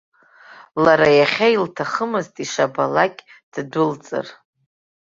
Лара иахьа илҭахымызт ишабалакь ддәылҵыр.